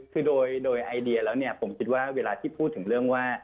คือโดยไอเดียแล้วเนี่ยผมคิดว่าเวลาที่พูดถึงเรื่องว่า